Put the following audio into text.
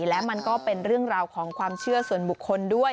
และมันก็เป็นเรื่องราวของความเชื่อส่วนบุคคลด้วย